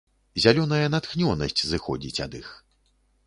Зялёная натхнёнасць зыходзіць ад іх.